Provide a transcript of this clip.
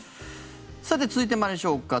続いて参りましょうか。